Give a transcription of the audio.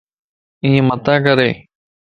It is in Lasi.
ايَ متان ڪرين